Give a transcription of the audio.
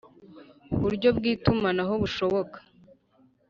Buryo bw itumanaho bushoboka